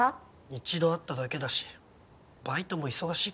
一度会っただけだしバイトも忙しいから。